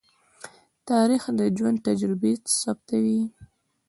تاریخ د ژوند تجربې ثبتوي.